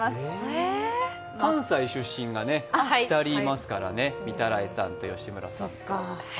関西出身が２人いますからね、御手洗さんと吉村さん。